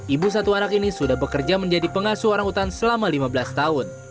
ibu satu anak ini sudah bekerja menjadi pengasuh orang utan selama lima belas tahun